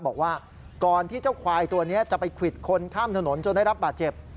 บอกว่าก่อนที่เจ้าควายตัวนี้จะไปควิดคนข้ามถนนจนได้รับบาดเจ็บ